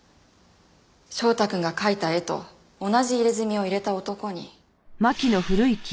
翔太くんが描いた絵と同じ入れ墨を入れた男に。